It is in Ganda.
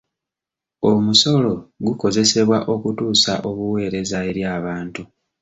Omusolo gukozesebwa okutuusa obuweereza eri abantu.